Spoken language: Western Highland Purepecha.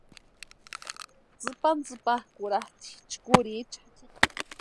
Tsïpantsïpakʼurhatʼi chkurhicha.